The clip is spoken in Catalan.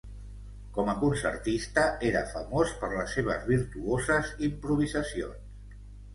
Com a concertista, era famós per les seves virtuoses improvisacions.